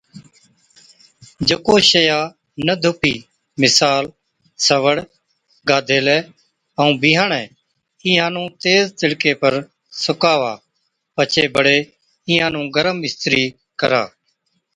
جڪو شئِيا نہ ڌُپِي مثال، سوَڙ، گاڌيلَي ائُون بِيهاڻَي اِينهان نُون تيز تِڙڪي پر سُڪاوا بڇي بڙي اِينهان نُون گرم اِسترِي ڪرا۔